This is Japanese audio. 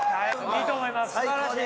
いいと思います。